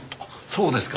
そうですか。